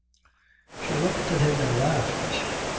She looked at him and laughed.